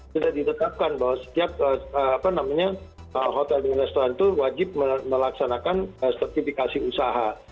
sudah ditetapkan bahwa setiap hotel dan restoran itu wajib melaksanakan sertifikasi usaha